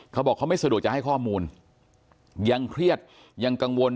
เขาบอกเขาไม่สะดวกจะให้ข้อมูลยังเครียดยังกังวล